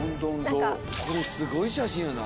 これすごい写真やな。